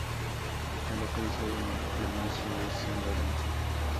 Está localizado en la planicie de San Lorenzo.